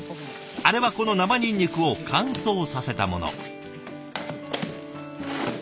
あれはこの生ニンニクを乾燥させたもの。